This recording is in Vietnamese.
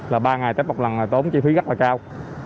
là ba ngày tới một lần là tốn chi phí rất là cao